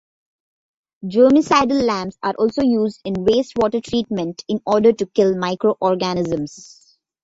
Germicidal lamps are also used in waste water treatment in order to kill microorganisms.